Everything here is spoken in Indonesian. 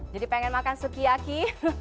jadi pengen makan sukiyaki